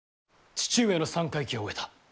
父上の三回忌を終えた。